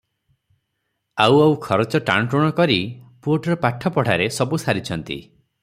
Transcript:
ଆଉ ଆଉ ଖରଚ ଟାଣଟୁଣ କରି ପୁଅଟିର ପାଠ ପଢ଼ାରେ ସବୁ ସାରିଛନ୍ତି ।